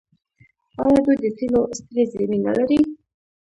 آیا دوی د تیلو سترې زیرمې نلري؟